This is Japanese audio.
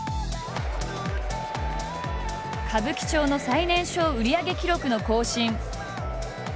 歌舞伎町の最年少売り上げ記録の更新。